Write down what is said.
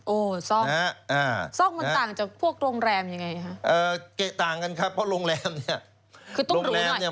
โอ้ซ่องน่ะอ่าซ่องมันต่างจากพวกโรงแรมยังไงครับเอ่อต่างกันครับเพราะโรงแรมเนี่ย